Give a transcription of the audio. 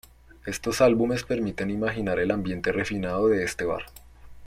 Estos álbumes permiten imaginar el ambiente refinado de este bar.